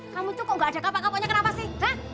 kamu itu kok gak ada kapak kapaknya kenapa sih